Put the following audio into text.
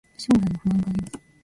将来の不安があります